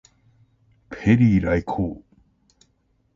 ペリー来航